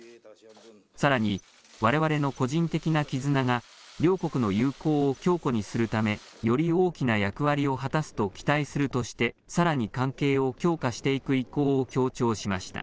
さらに、われわれの個人的な絆が、両国の友好を強固にするため、より大きな役割を果たすと期待するとして、さらに関係を強化していく意向を強調しました。